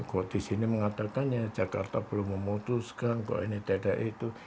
kok di sini mengatakan ya jakarta belum memutuskan kok ini tidak itu